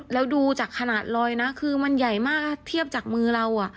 แล้วดูจากขนาดลอยนะคือมันใหญ่มากถ้าเทียบจากมือเรา